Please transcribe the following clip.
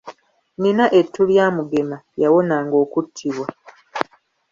Nnina ettu lya Mugema , yawonanga okuttibwa.